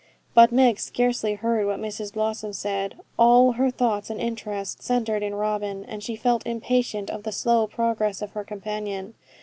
But Meg scarcely heard what Mrs Blossom said. All her thoughts and interest centred in Robin, and she felt impatient of the slow progress of her companion.